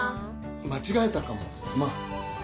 間違えたかもすまん。